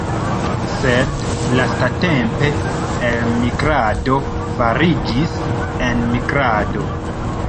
Sed lastatempe elmigrado fariĝis enmigrado.